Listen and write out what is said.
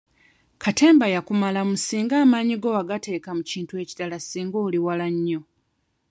Katemba yakumalamu singa amaanyi go gonna wagateeka mu kintu ekirala singa oli wala nnyo.